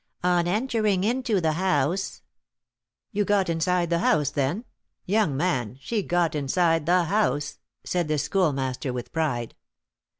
On entering into the house " "You got inside the house, then? Young man, she got inside the house!" said the Schoolmaster, with pride.